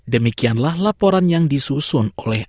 demikianlah laporan yang disusun oleh